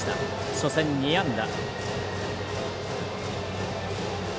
初戦２安打。